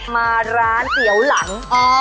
มาร้านเตี๋ยวหลัง